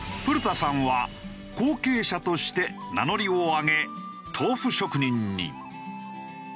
古田さんは後継者として名乗りを上げ豆腐職人に。